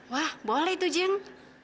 wah boleh tuh jeng